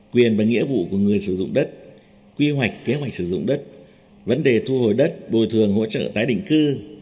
quyền và nghĩa vụ của người sử dụng đất quy hoạch kế hoạch sử dụng đất vấn đề thu hồi đất bồi thường hỗ trợ tái định cư